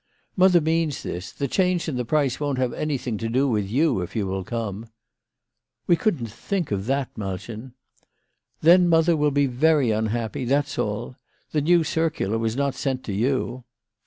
"Mother means this. The change in the price won't have anything to do with you if you will come." "We couldn't think of that, Malchen." "Then mother will be very unhappy; that's all. The new circular was not sent to you."